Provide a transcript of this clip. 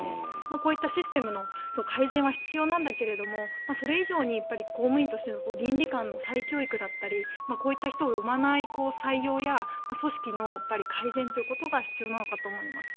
こういったシステムの改善は必要なんだけどもそれ以上に公務員としての倫理観の再教育だったりこういった人を生まない採用や組織の改善ということが必要なのかと思います。